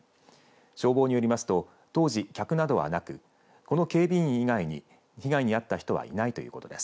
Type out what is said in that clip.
消防によりますと当時、客などはなくこの警備員以外に被害に遭った人はいないということです。